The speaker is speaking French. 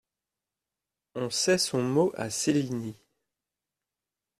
On sait son mot à Cellini.